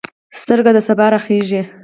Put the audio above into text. سترګه د سبا راخیژي